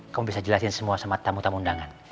kamu bisa jelasin semua sama tamu tamu undangan